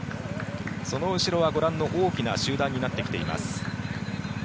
その後ろはご覧の大きな集団になってきています。